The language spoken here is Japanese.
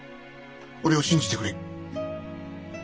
俺を信じてくれ。